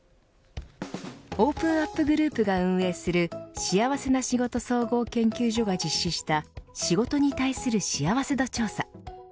オープンアップグループが運営する幸せな仕事総合研究所が実施した仕事に対する幸せ度調査。